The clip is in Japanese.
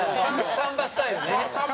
サンバスタイル。